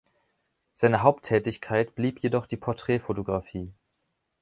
Seine Haupttätigkeit blieb jedoch die Porträtfotografie.